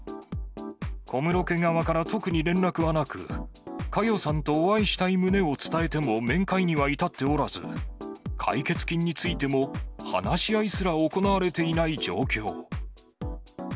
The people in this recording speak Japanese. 小室家側から特に連絡はなく、佳代さんとお会いしたい旨を伝えても面会には至っておらず、解決金についても話し合いすら行われていない状況。